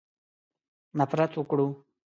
نفرت وکړو.